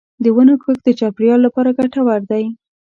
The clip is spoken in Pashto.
د ونو کښت د چاپېریال لپاره ګټور دی.